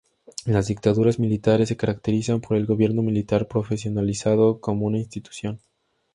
Las dictaduras militares se caracterizan por el gobierno militar profesionalizado como una institución.